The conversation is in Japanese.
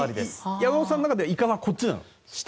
山本さんの中ではイカはこっちなんだ。